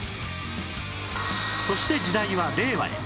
そして時代は令和へ